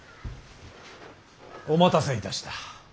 お待たせいたした。